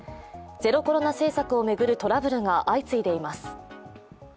ゼロコロナ政策を巡るトラブルが相次いでいます。